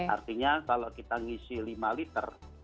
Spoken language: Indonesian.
artinya kalau kita ngisi lima liter